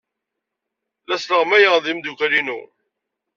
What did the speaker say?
La sleɣmayeɣ ed yimeddukal-inu.